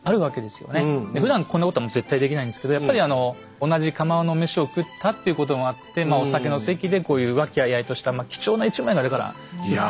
ふだんこんなことは絶対できないんですけどやっぱりあの同じ釜の飯を食ったっていうこともあってお酒の席でこういう和気あいあいとした貴重な１枚がだから写されたわけですね。